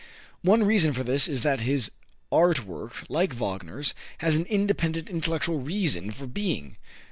One reason for this is that his art work, like Wagner's, has an independent intellectual reason for being.